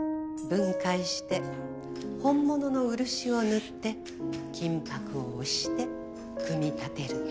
分解して本物の漆を塗って金箔を押して組み立てる。